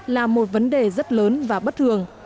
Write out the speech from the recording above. là một vấn đề rất lớn và bất thường